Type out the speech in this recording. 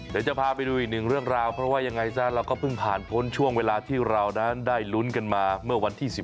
เดี๋ยวจะพาไปดูอีกหนึ่งเรื่องราวเพราะว่ายังไงซะเราก็เพิ่งผ่านพ้นช่วงเวลาที่เรานั้นได้ลุ้นกันมาเมื่อวันที่๑๑